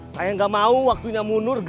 saya nggak mau waktunya mundur